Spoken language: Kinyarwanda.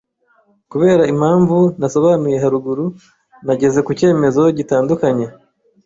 Kubera impamvu nasobanuye haruguru, nageze ku cyemezo gitandukanye.